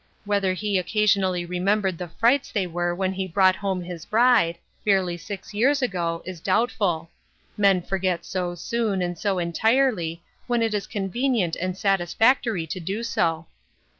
Whether he occasionally re membered the frights they were when he brought home his bride, barely six years ago, is doubtful ; men forget so soon and so entirely, when it is con venient and satisfactory to do so.